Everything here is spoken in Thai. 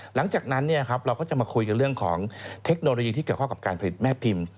หลังจากนั้นเราก็จะมาคุยกันเรื่องของเทคโนโลยีที่เกี่ยวข้องกับการผลิตแม่พิมพ์